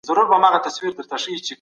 نوې پرېکړه د ادارې لخوا اعلان سوه.